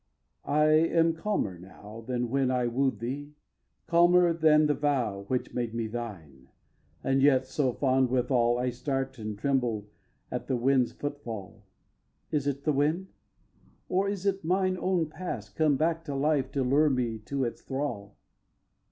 I am calmer now Than when I wooed thee, calmer than the vow Which made me thine, and yet so fond withal I start and tremble at the wind's footfall. Is it the wind? Or is it mine own past Come back to life to lure me to its thrall?